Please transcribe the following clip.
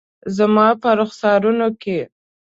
زما په رخسارونو کې